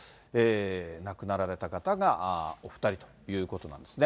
亡くなられた方がお２人ということなんですね。